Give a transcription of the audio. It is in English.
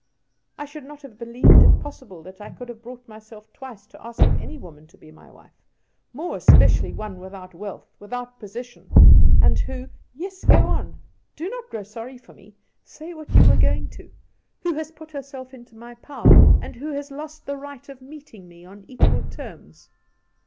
I should not have believed it possible that I could have brought myself twice to ask of any woman to be my wife, more especially one without wealth, without position, and who " "Yes go on. Do not grow sorry for me. Say what you were going to 'who has put herself into my power, and who has lost the right of meeting me on equal terms.